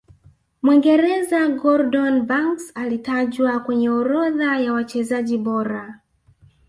mwingereza gordon Banks alitajwa kwenye orodha ya wachezaji bora